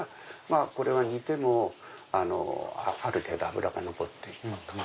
まぁこれは煮てもある程度脂が残っている。